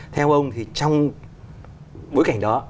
theo ông thì trong bối cảnh đó